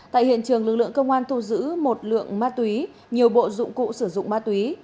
tại hiện trường lực lượng công an thu giữ một lượng ma túy nhiều bộ dụng cụ sử dụng ma túy